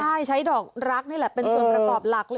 ใช่ใช้ดอกรักนี่แหละเป็นส่วนประกอบหลักเลย